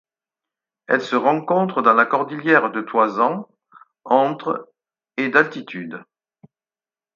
Elle se rencontre dans la cordillère de Toisán entre et d'altitude.